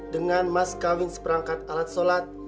dengan mas kawin seperangkat alat sholat